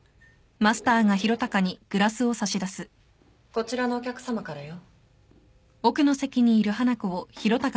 ・こちらのお客さまからよ。